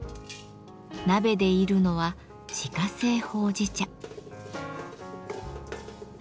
鍋で炒るのは自家製ほうじ茶。